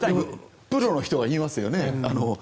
プロの人は言いますね。